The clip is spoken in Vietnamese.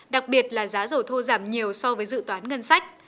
đặc biệt là giá rổ thu giảm nhiều so với dự toán ngân sách